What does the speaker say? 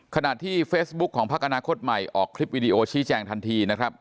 ขณะที่เฟซบุ๊คของพักอนาคตใหม่ออกคลิปวิดีโอชี้แจงทันทีนะครับ